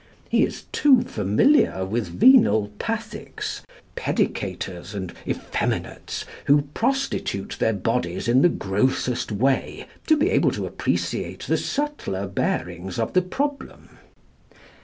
He is too familiar with venal pathics, pædicators, and effeminates who prostitute their bodies in the grossest way, to be able to appreciate the subtler bearings of the problem.